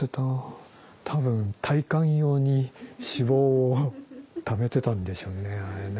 多分耐寒用に脂肪をためてたんでしょうねあれね。